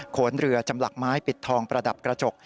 ขนเรือจำหลักไม้ปิดทองประดับกระจก